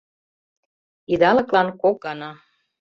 Идалыклан кок гана.